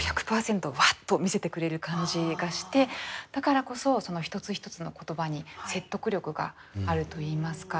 ワッと見せてくれる感じがしてだからこそその一つ一つの言葉に説得力があるといいますか。